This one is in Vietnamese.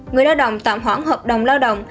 người lao động tạm hoãn hợp đồng lao động